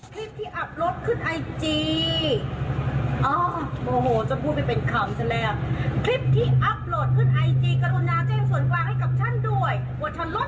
คลิปที่อัพรดขึ้นไอจีอ๋อโอโหโหฉะนั้นปูดไปเป็นคำอาจจะแรง